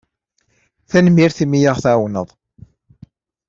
Tanemmirt imi i aɣ-tɛawneḍ.